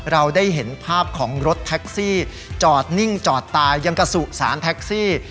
เราได้เห็นภาพของรถแท็กซี่จอดนิ่งจอดตายยังกระสุสานแท็กซี่